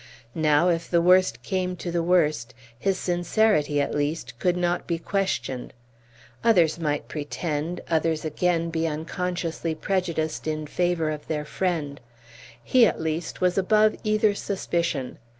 Now, if the worst came to the worst, his sincerity at least could not be questioned. Others might pretend, others again be unconsciously prejudiced in favor of their friend; he at least was above either suspicion.